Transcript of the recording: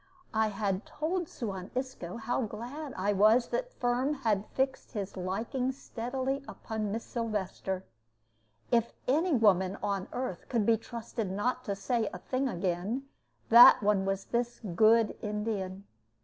I had told Suan Isco how glad I was that Firm had fixed his liking steadily upon Miss Sylvester. If any woman on earth could be trusted not to say a thing again, that one was this good Indian.